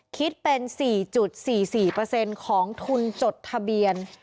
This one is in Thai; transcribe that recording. คิดเป็น๔๔๔ของทุนจดทะเบียน